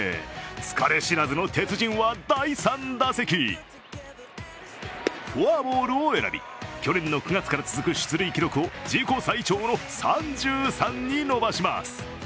疲れ知らずの鉄人は第３打席、フォアボールを選び、去年の９月から続く出塁記録を自己最長の３３に伸ばします。